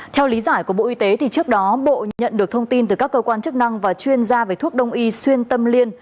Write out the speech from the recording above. theo lý giải của bộ y tế trước đó bộ nhận được thông tin từ các cơ quan chức năng và chuyên gia về thuốc đông y xuyên tâm liên